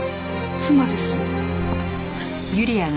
妻です。